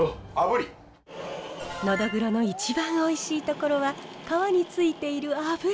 ノドグロの一番おいしいところは皮についている脂。